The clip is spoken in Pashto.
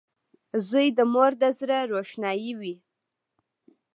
• زوی د مور د زړۀ روښنایي وي.